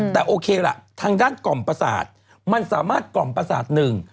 แต่โอเคล่ะทางด้านกล่อมประสาทมันสามารถกล่อมประสาทหนึ่ง